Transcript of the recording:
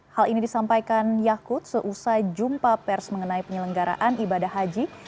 hal ini disampaikan yakut seusai jumpa pers mengenai penyelenggaraan ibadah haji